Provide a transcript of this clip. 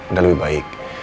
udah lebih baik